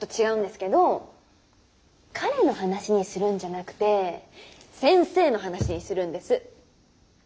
けどー彼の話にするんじゃなくてー先生の話にするんです。